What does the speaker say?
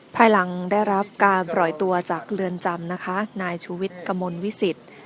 ภายหลังได้รับการปล่อยตัวจากเรือนจำนะคะนายชูวิทย์กระมวลวิสิต